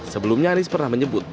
sebelumnya anies pernah menyebut